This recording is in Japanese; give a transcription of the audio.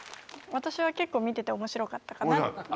私は結構見てて面白かったかなって。